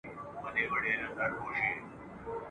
ګدایان ورته راتلل له هره ځایه !.